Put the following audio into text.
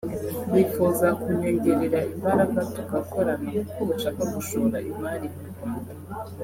bifuza kunyongerera imbaraga tugakorana kuko bashaka gushora imari mu Rwanda